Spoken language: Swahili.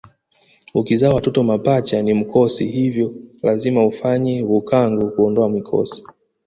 Ukizaa watoto mapacha ni mkosi hivyo lazima ufanye bhukango kuondoa mikosi